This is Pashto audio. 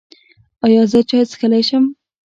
ایا زه چای څښلی شم؟